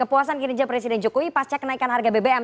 kepuasan kinerja presiden jokowi pasca kenaikan harga bbm